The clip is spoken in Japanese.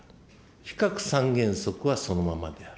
非核三原則はそのままである。